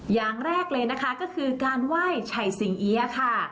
อย่างแรกเลยนะคะก็คือการไหว้ไฉสิงเอี๊ยะค่ะ